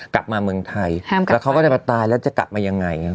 กลับมาเมืองไทยแล้วเขาก็จะมาตายแล้วจะกลับมายังไง